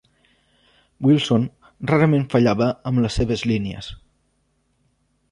Wilson rarament fallava amb les seves línies.